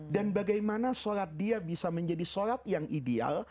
dan bagaimana sholat dia bisa menjadi sholat yang ideal